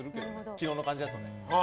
昨日の感じだとね。